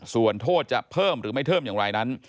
ส่วนโทษจะเพิ่มหรือไม่เพิ่มอย่างไรนั้น